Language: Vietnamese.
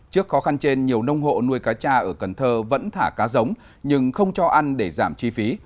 trước khó khăn trên nhiều nông hộ nuôi cá cha ở cần thơ vẫn thả cá giống nhưng không cho ăn để giảm chi phí